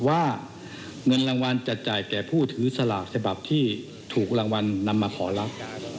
ว่าเงินรางวัลจะจ่ายแก่ผู้ถือสลากฉบับที่ถูกรางวัลนำมาขอรับ